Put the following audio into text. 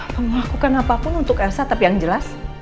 melakukan apapun untuk elsa tapi yang jelas